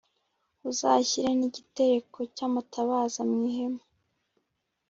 Uzashyire n’ igitereko cy’ amatabaza mw’ ihema